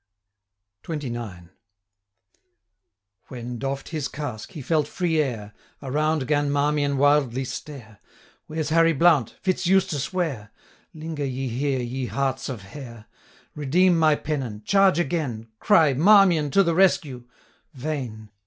XXIX. When, doff'd his casque, he felt free air, Around 'gan Marmion wildly stare: 'Where's Harry Blount? Fitz Eustace where? Linger ye here, ye hearts of hare! 875 Redeem my pennon, charge again! Cry "Marmion to the rescue!" Vain!